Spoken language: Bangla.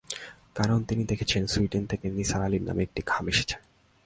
কারণ তিনি দেখেছেন, সুইডেন থেকে নিসার আলির নামে একটি খাম এসেছে।